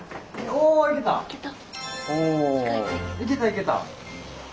おいけたいけた。